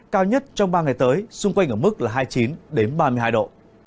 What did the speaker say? cao nhất trong ba ngày tới xung quanh ở mức là hai mươi chín ba mươi hai độ